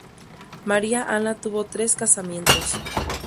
María Ana tuvo tres casamientos.